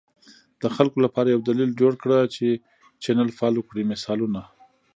د خلکو لپاره یو دلیل جوړ کړه چې چینل فالو کړي، مثالونه: